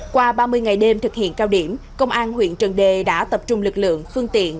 qua ba mươi ngày đêm thực hiện cao điểm công an huyện trần đề đã tập trung lực lượng phương tiện